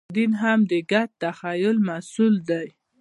دین هم د ګډ تخیل محصول دی.